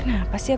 sekala kasih man